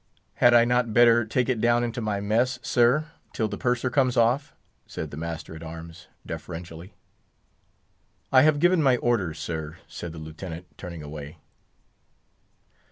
"Had I not better take it down into my mess, sir, till the Purser comes off?" said the master at arms, deferentially. "I have given my orders, sir!" said the Lieutenant, turning away.